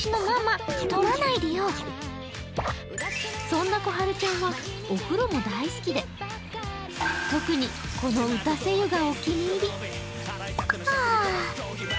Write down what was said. そんなこはるちゃんはお風呂も大好きで、特に、この打たせ湯がお気に入り。